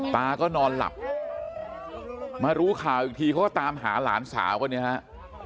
ตาก็นอนหลับมารู้ข่าวอีกทีเขาก็ตามหาหลานสาวก็เนี่ยฮะ